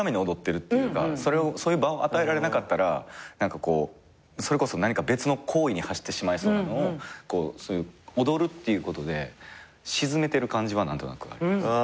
そういう場を与えられなかったらそれこそ何か別の行為に走ってしまいそうなのを踊るっていうことでしずめてる感じは何となくあります。